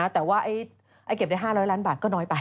แต่ว่าให้เก็บได้๕๐๐ล้านบาทก็น้อยไป